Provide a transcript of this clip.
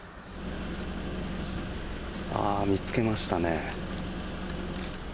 見つけましたね。